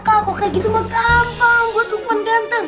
kalau kayak gitu mah gampang buat umpan ganteng